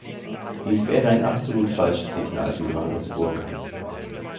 Dies wäre ein absolut falsches Signal für Johannesburg!